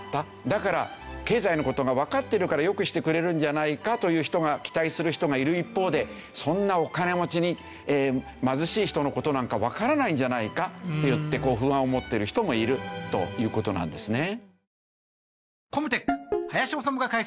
だから経済の事がわかってるからよくしてくれるんじゃないかという人が期待する人がいる一方でそんなお金持ちに貧しい人の事なんかわからないんじゃないかっていって不安を持ってる人もいるという事なんですね。